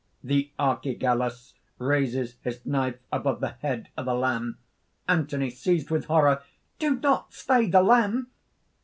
(The Archigallus raises his knife above the head of a lamb.) ANTHONY (seized with horror): "Do not slay the lamb!"